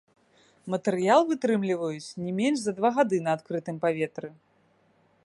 Матэрыял вытрымліваюць не менш за два гады на адкрытым паветры.